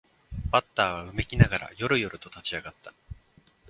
バッターはうめきながらよろよろと立ち上がった